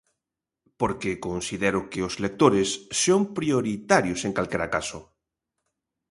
Porque considero que os lectores son prioritarios en calquera caso.